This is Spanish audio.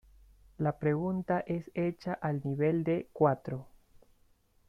La pregunta es hecha al nivel de cuatro.